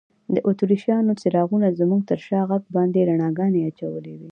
د اتریشیانو څراغونو زموږ تر شا غر باندې رڼاګانې اچولي وې.